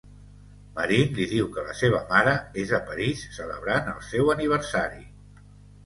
Marin li diu que la seva mare és a París celebrant el seu aniversari.